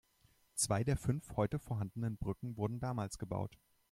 Zwei der fünf heute vorhandenen Brücken wurden damals gebaut.